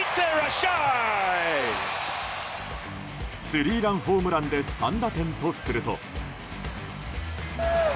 スリーランホームランで３打点とすると。